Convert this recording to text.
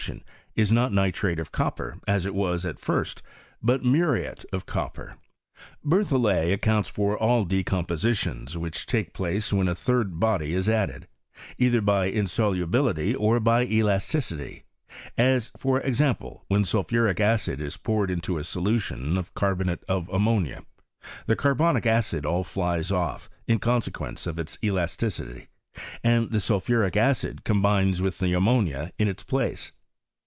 161 tion is not nitrate of copper, as it was at first, but muriate of copper ? Berthollet accounts for all decompositions which take place when a third body is added, either by in solubility or by elasticity : as, for example, when sul {^uric acid is poured into a solution of carbonate of ammonia, the carbonic acid all flies off, in conse quence of its elasticity, and the sulphuric acid com bines with the ammonia in its place.